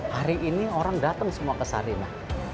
hari ini orang datang semua ke sarina